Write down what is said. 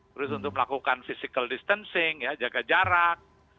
terus untuk melakukan physical distancing ya jaga jarak